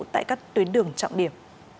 tại các tuyến đường trọng điểm